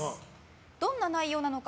どんな内容なのか。